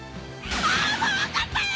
あもう分かったよ！